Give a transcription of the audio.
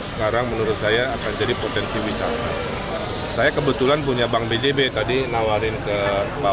sekarang menurut saya akan jadi potensi wisata saya kebetulan punya bank bjb tadi nawarin ke pak